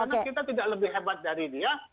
karena kita tidak lebih hebat dari dia